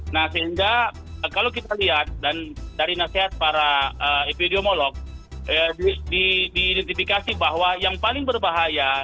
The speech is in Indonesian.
nah sehingga kalau kita lihat dan dari nasihat para epidemiolog diidentifikasi bahwa yang paling berbahaya